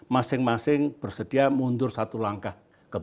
masing masing bersedia mundur satu langkah